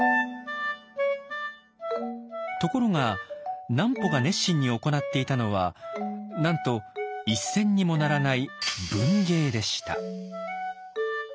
ところが南畝が熱心に行っていたのはなんと１銭にもならない「文芸」でした。